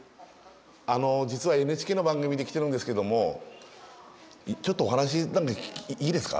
あの実はＮＨＫの番組で来てるんですけどもちょっとお話いいですか？